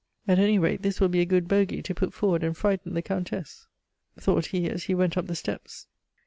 At any rate this will be a good bogey to put forward and frighten the Countess," thought he as he went up the steps.